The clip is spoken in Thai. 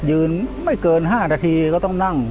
ยืนไม่เกิน๕นาทีก็ต้องนั่ง